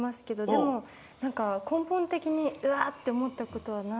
でも根本的にうわっ！って思ったことはないです。